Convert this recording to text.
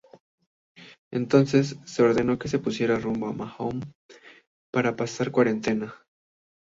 Entonces, se ordenó que se pusieran rumbo a Mahón para pasar cuarentena.